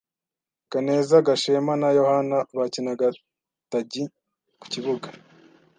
Kaneza, Gashema na Yohana bakinaga tagi ku kibuga.